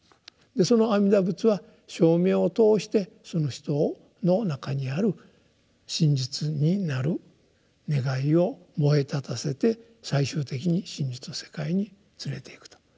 その阿弥陀仏は称名を通してその人の中にある真実になる願いを燃え立たせて最終的に真実の世界に連れていくと。